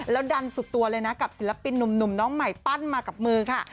แล้วดันสุดตัวเลยนะกับศิลปินหนุ่มน้องใหม่ปั้นมากับมือค่ะ